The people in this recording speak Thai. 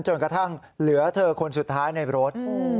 จนกระทั่งเหลือเธอคนสุดท้ายในรถ